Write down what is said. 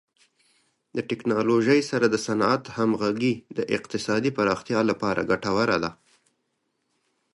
د ټکنالوژۍ سره د صنعت همغږي د اقتصادي پراختیا لپاره ګټوره ده.